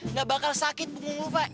nggak bakal sakit punggung lo fah